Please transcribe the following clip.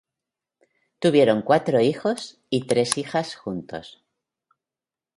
Tuvieron cuatro hijos y tres hijas juntos.